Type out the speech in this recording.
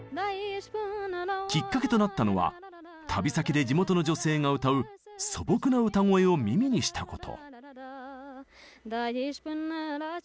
きっかけとなったのは旅先で地元の女性が歌う素朴な歌声を耳にしたこと。